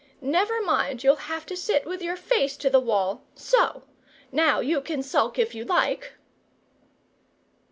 Never mind, you'll have to sit with your face to the wall SO. Now you can sulk if you like!"